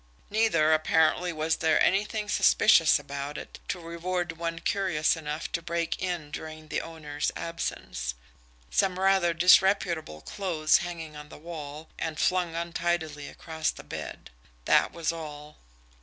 Neither, apparently, was there anything suspicious about it to reward one curious enough to break in during the owner's absence some rather disreputable clothes hanging on the wall, and flung untidily across the bed that was all.